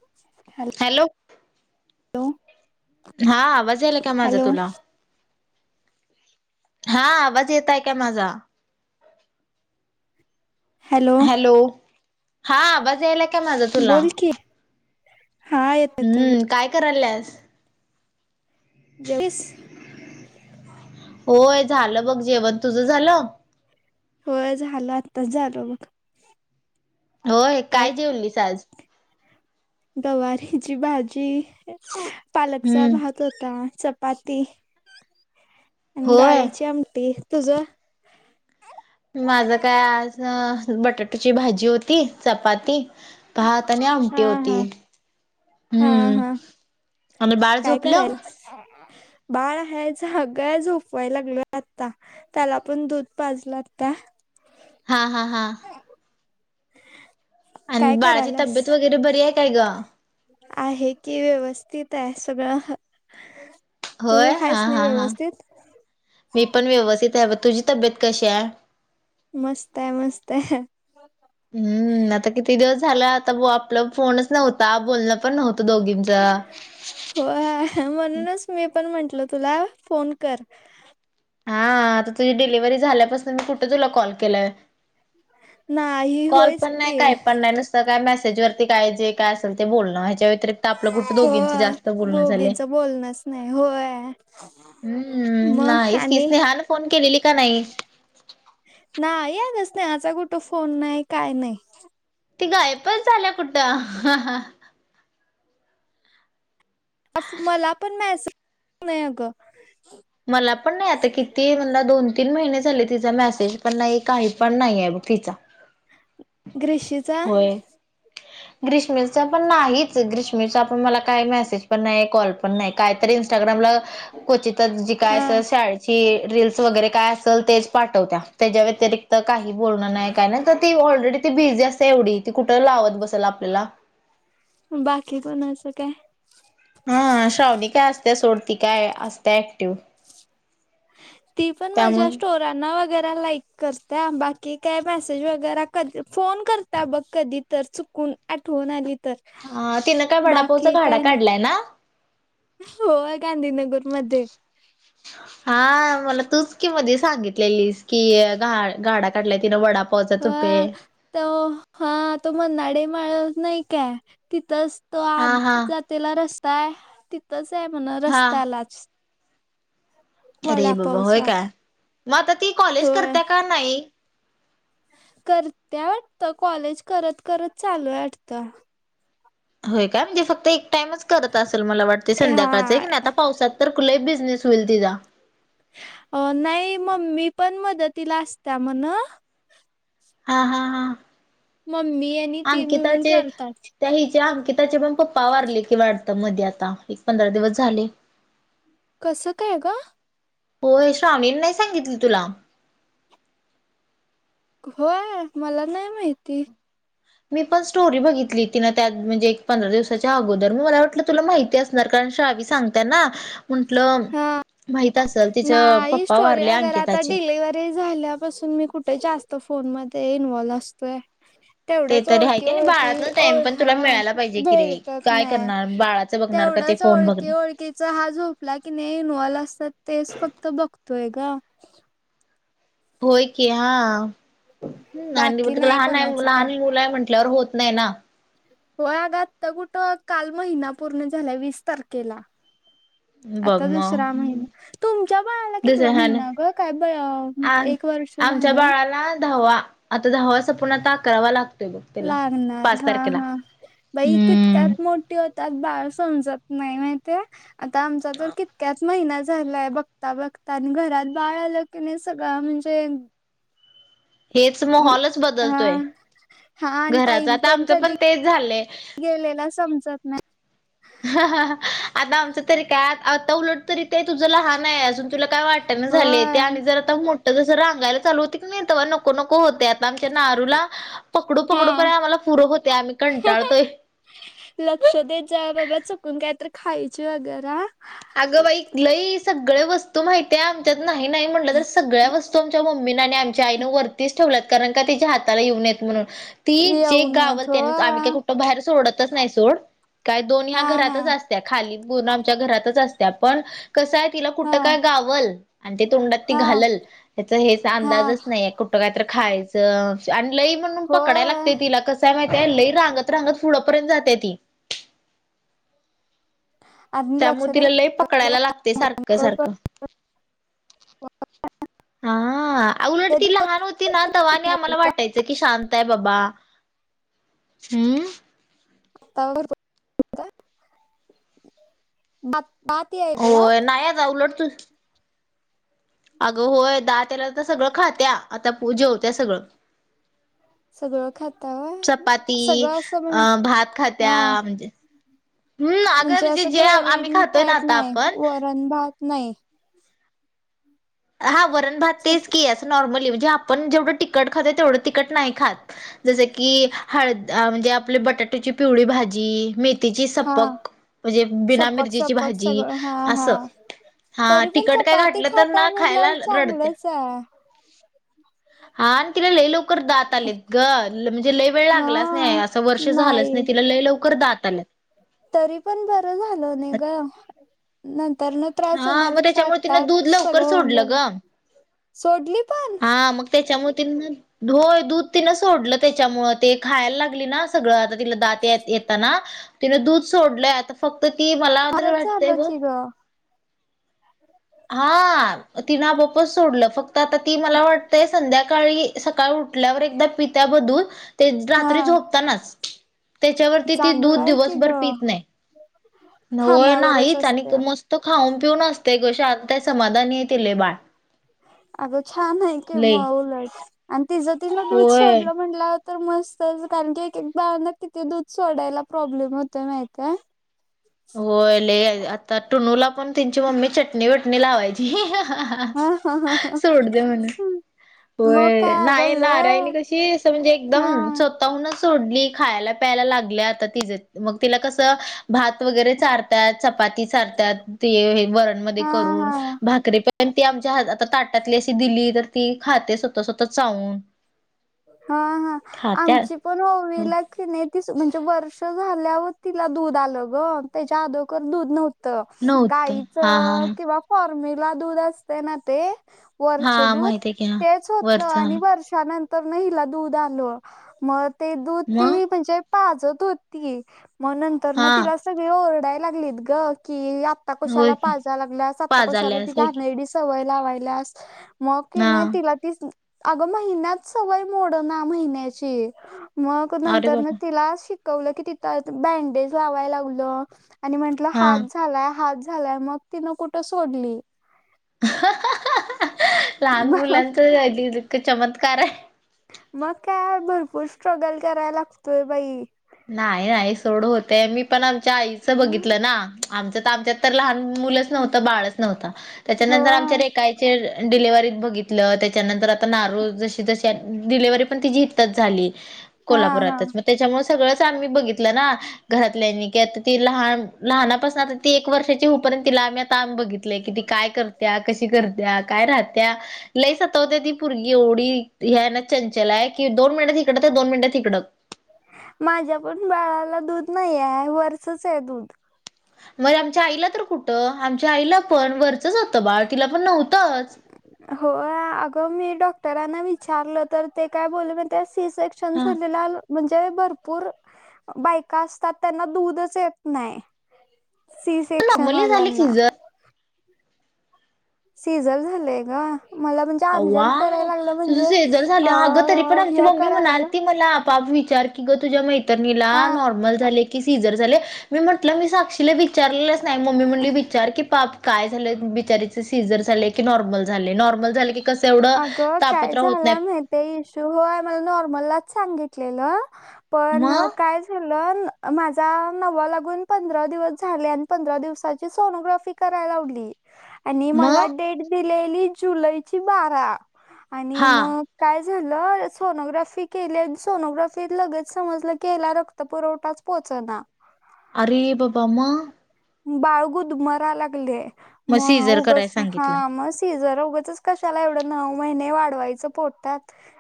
[inaudible] Hello. Hello. हा आवाज याला काय माझा हॅलो तुला? हा आवाज येतय का माझा? हॅलो. हॅलो. हा आवाज याला काय? माझा तुला बोल की. हा येत येत हम्म. काय करायल्यास. जेवलीस? होय झालं बघ जेवण. तुझं झालं? होय झालं आत्ताच झालं बघ. होय काय जेवलीस आज? गवारीची भाजी, पालकचा हम्म भात. तुटा चपाती आणि होय डाळीची आमटी. तुझ? माझं काय आज बटाटूची भाजी होती. चपाती भात आणि आमटी हा होती. हा हा हम्म हा आणि बाळ काय झोपलं करायल्यास? बाळ हाय जागाय. झोपवायला लागलोय आता. त्याला पण दूध पाजला आता. हा हा हा. अन् काय बाळाची करायलास तब्येत वगैरे बरी ये काय ग? आहे की व्यवस्थित आहे सगळं. तू होय हा आहेस नाही हा हा व्यवस्थित मी पण व्यवस्थित आहे तुझी तब्येत कशी आहे? मस्त आहे मस्त आहे. हम्म. न आता किती दिवस झाला आता ब आपला फोनच नव्हता बोलणं पण नव्हतं दोघींच. होय म्हणूनच मी पण म्हंटल तुला फोन कर. हा आता तुझी डिलिव्हरी झाल्यापासन मी कुठं तुला कॉल केलाय. नाही. कॉल होयच पण नाही की काही पण नाही नुसतं काय मेसेज वरती काय जे काय असल ते बोलणं ह्याच्या व्यतिरिक्त आपलं कुठं दोघींच होय जास्त बोलणं झालंय. दोघीचं बोलणच नाही होय. हम्म मग नाहीच की आणि स्नेहान फोन केलेलिका नाही? नाही आग स्नेहाचा कुठं फोन नाही काय नाही. ती गायपच झाल्या कुठं. अ मला पण मेसेज नाही अगं. मला पण नाही आता किती म्हणला दोन तीन महिने झाले तिचा मेसेज पण नाही काही पण नाहीये बघ तिचा. ग्रीशीचा होय. ग्रीष्मीरच पण नाहीच ग्रीष्मीरचा पण मला काही मेसेज पण नाही कॉल पण नाही काहीतरी इंस्टाग्रामला कोचित तर जी काय हा अस शाळेची रिल्स वगैरे काय असल तेच पाठवत्या त्याच्या व्यतिरि त काही बोलणं नाही काय नाही त ती ऑलरेडी ती बिझी असते एवढी ती कुठं लावत बसल आपल्याला. बाकी कोणाच काय? ह श्रावणी काय असत्या सोड ती काय असत्या ऍक्टिव्ह. ती पण त्यामुळे माझ्या स्टो ना वगऱ्या लाईक करत्या बाकी काय मेसेज वगैरा क फोन करत्या बघ कधी तर चुकून आठवून आली तर हां तिनं काय वडापावच बाकी गाडा काय नाही काढलाय ना? होय गांधीनगर मध्ये. हा मला तूच की मधी सांगितलेलीस की घा गाडा काढला तिनं वडा पवाचा तुपे. हा तो हा तो मन्नाडे माळ नाही काय तिथंच तो हा आत हा जात तेला रस्ता हाय तिथच हाय म्हण हा रस्त्यालाच. अरे बाबा होय वडापावच्या काय म आता ती कॉलेज होय करत्या का नाही? करत्या वाटत कॉलेज करत करत चालू आहे वाटत. होय काय म्हणजे फक्त एक टाइमच करत असल मला वाटतय ए, संध्याकाळच की हा नाही आता पावसात तर लई बिझनेस होईल तीजा. अ नाही मम्मी पण मदतीला असत्या म्हण. हा हा हा. मम्मी आणि ती मिळून अंकिताचे करतात. त्या हिचे अंकिताचे पण पप्पा वारले की वाटत मध्ये आता एक पंधरा दिवस झाले. कसं काय ग? होय श्रवणी नाही सांगितली तुला? होय मला नाही माहिती. मी पण स्टोरी बघितली ति ना त्यात म्हणजे एक पंधरा दिवसाच्या अगोदर, म मला वाटलं तुला माहिती अस जर का श्रावी सांगता ना, म्हंटल हा माहीत नाही स्टोऱ्या गरा आता डिलिव्हरी झाल्या. पासून मी कुठे जास्त फोन मध्ये इन्वॉल्व्ह असतोय. ते तेवढ्याच तरी आहे की नाही ओळखी-ओळखी बाळातन टाइम ओळ पण तुला हा मिळायला पाहिजे की रे भेटत काय नाय. करणार बाळाचं बघणार का ते तेवढच फोन बघणे ओळखी-ओळ खीचा हा झोपला कि नही? इनवॉल्व असतात तेच फक्त बघतोय ग. होय की, हां. हम् आणि बाकी बोलती का नाही लहान ये, कोणाचं काय लहान मुलं य म्हटल्यावर होत नाही ना? होय ग आत्ता कुठं? काल महिना पूर्ण झालाय, वीस तारखेला. बघ आता दुसरा मग महिना. तुमच्या बळाला दुसऱ्या कितवा ह महिना ग, काय ब आम एक वर्ष? आमच्या झालं बाळाला, दहावा. आता दहावा संपुन् आता अकरावा लाग लागणार, हां हां बाई हम्म कीतक्यात मोठे होतात बाळ, समजत नाही माहितीये, आता आमचा तर कीं क्यात महिना झालाय, बघता-बघता आणि घरात बाळ आलं की नही सगळं म्हणजे हेच मोहलच हा बदलतोय. हा अन घराच टाईम आता पण आमचं कधी तेच झालंय गेलेला समजत नाही. हां हां आमचं तरी काय? आता उलट तरी ते तुझं लहान ये अजून तुला काय वाटन झाल ते होय. आणि जर आता मोठं जस रांगायला चालू होत की नाई तव्हा नको नको होतय. आता आमच्या नारूला, पकडू पकडू पण हा. आम्हाला पुरं होत, आम्ही कंटाळतोय. लक्ष देत जा, बाबा चूकून काय तरी खायचे वगैरा. अगं बाई लंई सगळ्या वस्तू माहितीया आमच्यात नाही नाही म्हटलं तर सगळ्या वस् तु आमच्या मम्मीना आणि आमच्या आईनं वरतीच ठेवलात कारण का तिच्या हाताला येऊ नाई म्हणून. ती जे येऊ गावल नयेत त्यानी, आम्ही होय. काय कुठ बाहेर सोडतच नाही सोड, काय दोन ह्या हा हा. घरातच असत्या खाली [inaudible] आमच्या घरात त असत्या, पण कसय तिला कुठ हा काय गावल अन ते तोंडात ती हा घालल, त्याचा हेच हा अंदाजच नाहिये कु ट काय तर खायचं आणि लई म्हणून पकडाया लागत होय तिला कस कसं य माहितय लई रांगत रांगत पुढपर्यंत जातेय ती. आणि लक्ष त्यामुळे तिला लय पकडायला लागतय सारखं-सारखं. द्या हां उलट ती लहान होती ना, तेव्हा आणि आम्हाला वाटायचं कि शांत य बाबा. हम्म. [unintelligible] बात आहेला [inaudible] होय [unintelligible] उलट तू. अगं होय दात याला तर सगळं खात्या, आता जेवत्या सगळं. सगळं खातावा चपाती, सगळं असं म्हणजे अं भात खात्या, हा म्हणजे. हम्म अग म्हणजे जे आम्ही खातोय ना आता आपण? वरणभात, नही. हा वरण भात तेच की, असं नॉर्मली म्हणजे आपण जेवढं तिकट खातो, तेवढं तिखट नही खात. जस की हळ म्हणजे आपली बटाट्याची पिवळी भाजी, मे तीची हा सपक, म्हणजे बिना सपक मिरचीची सपक भाजी सगळं हा हा असं. हां तरी पण तिखट काय चपाती घातलं तर ना खाता खायला, म्हटल्यावर रडत्या. चांगलंच आहे हां अन तिला लय लवकर दात आलेत ग, म्हणजे लय वेळ लागलाच नही, हा असं वर्ष झालंच व्हय नाही तिला लय लकर दात आल्यात. तरी पण बरं झालं नाही ग नंतर न त्रास हा मग होण्यापेक्षा त्याच्यामुळे तिनं आताच दूध लवकर सगळं होऊन सोडलं ग गेल सोडली पण. हा मग तेच्यामुळे तिनं म होय दूध तिनं सोडलं तेच्यामुळे ते खायला लागली ना सगळं आ तिला दात यात येताना तिने दूध सोडलंयता फक्त ती मला तरी बरंच वाटतेय झालं ब. की ग हा तिनं आपपच सोडलं फक्त आता ती मला वाटतेय संध्याकाळी सकाळी उठल्यावर एकदा पित्या ब दूध. ते हा रात्री झोपतानाच तेच्यावरती ती चांगलं दूध आहे की दिवसभर ग पित नाही. होय खाण्यावरच नाहीच आणि असते त मस् तो खाऊन पिऊन असते ग शांत समाधानीये ते लै बाळ. अगं छान आहे की लय म उलट आणि तिजं तिनं दूध होय. सोडलं म्हणल्या तर मस्तच कारण की एक एक किती दूध सोडायला प्रॉब्लेम होतोय माहतय. होय ल आता टुनूला पण त्यांची मम्मी चटणी वटणी लावायची. सोड दे मन. हो मग काय नाही अगं नारायणी लय कशी अस म्हणजे एकदम हा सो ताहूनच सोडली खायला प्यायला लागल्या आता तिज मग तिला कस भात त वगैरे चारत्यात चपाती चारत्यात ते वरण मधे हा करून हा भात तरी पण ती आमच्या आता ताटातली अशी दिली तर ती खाते स्वतः स्वतः चावून. हा हा खात्या आमची पण होवी ला की नाही त म्हणजे वर्ष झाल्यावर तिला दूध आलं ग त्याच्या आदोगर दूध नव्ह त नव्हत गाईच हा हा किंवा फॉर्मिला दूध असते ना ते हा वरच दूध माहित आहे की हा तेच होत वरचा हा आणि वर्षानं तर ना हिला दूध आल मग ते दूध मग ती म्हणजे पाजत होती म नंतरन हा तिला सगळी ओरडाय लागलीत ग की आप आता होय कशाला की पाजा लागल्यास आता कशाला ती पाजाल्यास होय की घाणेडी सवय लावायल्यास. मग की हा नाही तिला ती अगं महिन्यात सवय मोडना महिन्याची. मग अरे नंतरन बाबा तिला शिकवलं की तिथं बँडेज लावाय लावलं. आणि म्हंटलं हा हात झालाय हात झालाय मग तिनं कुठं सोडली. लहान मुलांचं अ इतक चमत्कार आहे. मग काय भरपूर स्ट्रगल कराय लागतोय बाई. नाही नाही सोडू होते मी पण आमच्या आईचं बघितलं ना आमच तर आमच्या तर लहान मुलंच नव्हत बाळच नव्हतं हो त्याच्यानंतर आमच्या रेका डिलेव्हत बघित त्याच्यानंतर आता नारू जशी जशी डिलेव्ही पण तिजी तच झाली हा हा कोल्हापुरातच म त्याच्यामूळं सगळंच आम्ही बघितलं ना. घरातल्यानी कि आता ती लहान लहानापासन आता ती एक वर्षाची होऊ परेंत तिला आम्ही आता आम बघित लय कि ती काय करत्या कशी करत्या काय राहत्या लई सतावते ती पुरगी एवढी ह्या ना चंचल आहे की दोन मिनिटात तिकडत दोन मिनिटात तिकडत. माझ्या पण बाळाला दूध नाही आहे वरचच आहे दूध. म आमच्या आईला तर कुठं आमच्या आईला पण वरचंच होतं बाळ तिला पण नव्हतंच. होय अगं मी डॉक्टरांना विचारलं तर ते काय बोलले माहितीये सी सेक शन हा. साणलेलाल. म्हणजे भरपूर बायका असतात त्यांना दूधच येत नाही. सी सेक्शन नॉर्मली झाली वाल्याना. सिझर सीझल झालंय ग मला पण अव्वा तुझ सीझर अ झालं अगं तरी पण आमची ह मम्मी करायला म्हणाल लागलं ती मला पाद विचार की ग तुझ्या मैत्रिणीला हा नॉर्मल झाले कि सीझर झाले मी म्हंटलं मी साक्षीला विचारलेलंच नाही मम्मी मुली विचार की पाप काय झालंय बिचारीच सीझर झालेय की नॉर्मल झाले नॉर्मल झाले की कस एवढं तापत्र होत नाहीत ते इश्यू होय मला नॉर्मललाच सांगितलेलं पण मग काय झाल माझा नववा लागुन पंधरा दिवस झाले आणि पंधरा दिवसाची सोनोग्राफी कराय लावली. आणि मला मग डेट दिलेली जुलैची बारा आणि हा मग काय झाल सोनोग्राफी केली आणि सोनोग्राफीत लगेच समजलं केला र तर पुरवठाच पोहचना. अरे बाबा म. बाळगुद मरा लागले मग सिझर कराय उगास म हा सांगितलं. मस सिझर उगाचच कशाला एवढं नऊ महिने वाढवायचं पोटात.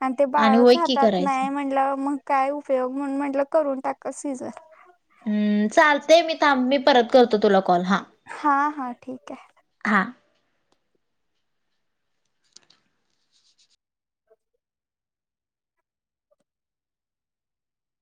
आणि ते वय बाळच की हातात करायचं. नाही म्हणटल्या वर मग काय उपयोग म्हण म्हटलं करून टाका सीझर. हम्म चालते मी थांब मी परत करतो तुला कॉल हा. हा हा ठीक आहे हा.